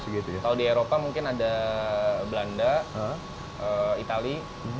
kalau di eropa mungkin ada belanda itali